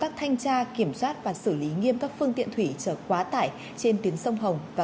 kiểm tra kiểm soát và xử lý nghiêm cấp phương tiện thủy chở quá tải trên tuyến sông hồng và